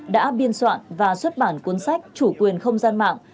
đã biên soạn và xuất bản cuốn sách chủ quyền không gian mạng